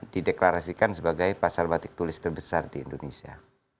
dideklarasikan sebagai pasar batik tulis terbesar di indonesia